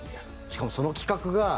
しかもその企画が」